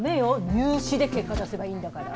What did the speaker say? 入試で結果出せばいいんだから。